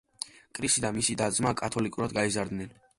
კრისი და მისი და-ძმა კათოლიკურად გაიზარდნენ.